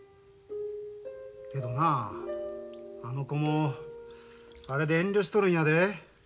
けどなああの子もあれで遠慮しとるんやで。